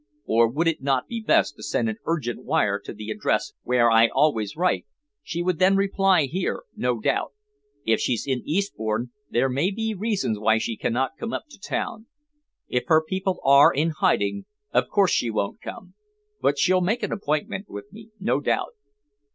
"Or would it not be best to send an urgent wire to the address where I always write? She would then reply here, no doubt. If she's in Eastbourne, there may be reasons why she cannot come up to town. If her people are in hiding, of course she won't come. But she'll make an appointment with me, no doubt."